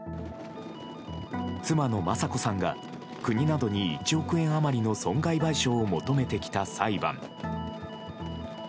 妻の雅子さんが国などに１億円余りの損害賠償を求めてきた裁判。